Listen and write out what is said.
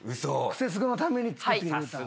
『クセスゴ』のために作ってくれた？